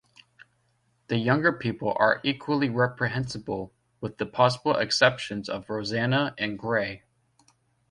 The younger people are equally reprehensible, with the possible exceptions of Rosanna and Gray.